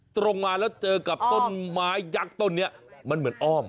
ตรงมาแล้วเจอกับต้นไม้ยักษ์ต้นนี้มันเหมือนอ้อม